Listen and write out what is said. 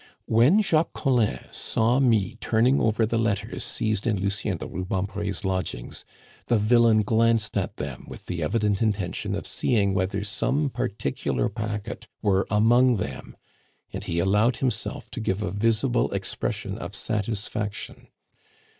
When Jacques Collin saw me turning over the letters seized in Lucien de Rubempre's lodgings, the villain glanced at them with the evident intention of seeing whether some particular packet were among them, and he allowed himself to give a visible expression of satisfaction.